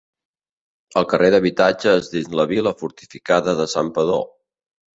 El carrer d'habitatges dins la vila fortificada de Santpedor.